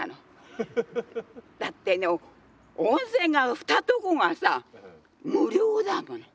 だってね温泉が二とこがさ無料だもの。